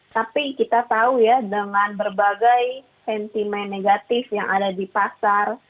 tapi kita tahu ya dengan berbagai sentimen negatif yang ada di pasar